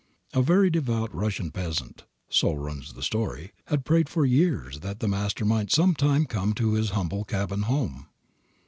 A very devout Russian peasant, so runs the story, had prayed for years that the Master might sometime come to his humble cabin home.